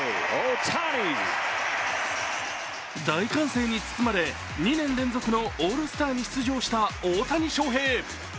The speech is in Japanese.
大歓声に包まれ２年連続のオールスターに出場した大谷翔平。